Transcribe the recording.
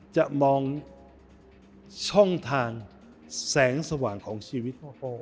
จะมองช่องทางแสงสว่างของชีวิต